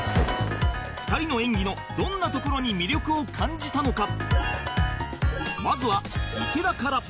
２人の演技のどんなところに魅力を感じたのか？